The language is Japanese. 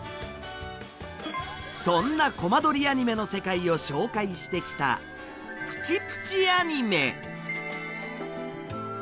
そんなコマ撮りアニメの世界を紹介してきた「プチプチ・アニメ」。